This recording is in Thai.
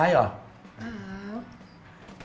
ไม่รู้